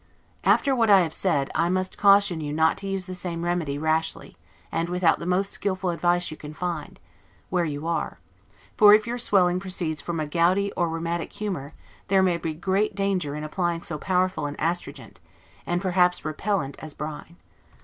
After what I have said, I must caution you not to use the same remedy rashly, and without the most skillful advice you can find, where you are; for if your swelling proceeds from a gouty, or rheumatic humor, there may be great danger in applying so powerful an astringent, and perhaps REPELLANT as brine.